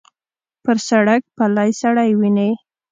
پر سړک پلی سړی وینې.